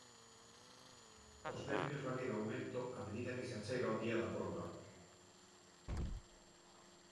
Os nervios van en aumento a medida que se achega o día da proba.